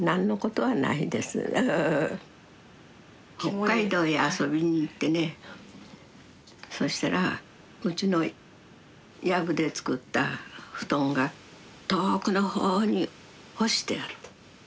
北海道へ遊びに行ってねそしたらうちの夜具で作った布団が遠くの方に干してある。